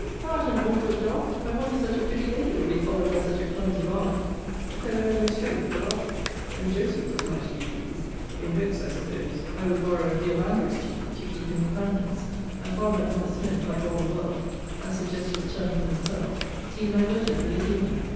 Thou'rt an awkward dog! I wonder such a pretty lady will be followed by such a clumsy varlet. The fellow had no strength for laughing: and Joseph was mightily pleased, in hopes, I suppose, I would borrow a few of Andrew's teeth, to keep him in countenance: and, father and mother Smith, like all the world, as the jest was turned from themselves, seemed diverted with the humour.